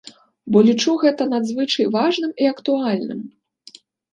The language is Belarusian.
Бо лічу гэта надзвычай важным і актуальным.